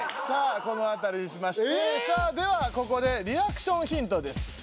さぁこのあたりにしましてではここでリアクションヒントです。